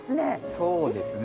そうですね。